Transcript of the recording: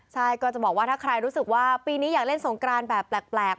ใช่ก็จะบอกว่าถ้าใครรู้สึกว่าปีนี้อยากเล่นสงกรานแบบแปลก